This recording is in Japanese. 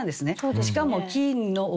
しかも「金の折紙」